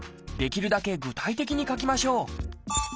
できるだけ具体的に書きましょう。